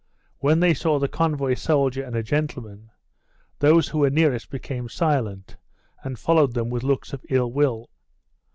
When they saw the convoy soldier and a gentleman, those who were nearest became silent, and followed them with looks of ill will.